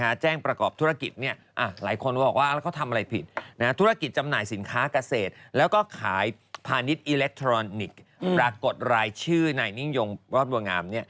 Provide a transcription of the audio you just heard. แล้วก็ขายพาณิชย์อิเล็กทรอนิกส์ปรากฏรายชื่อในนิ่งโยงรถวงาม